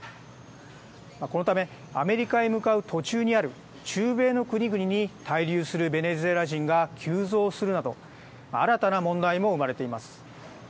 このためアメリカへ向かう途中にある中米の国々に滞留するベネズエラ人が急増するなど新たな問題も生まれています。